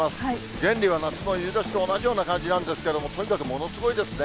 原理は夏の夕立と同じような感じなんですけれども、とにかくものすごいですね。